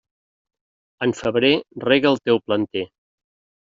En febrer rega el teu planter.